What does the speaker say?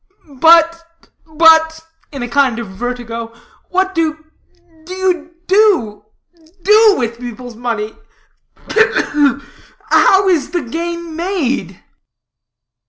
"But, but," in a kind of vertigo, "what do do you do do with people's money? Ugh, ugh! How is the gain made?"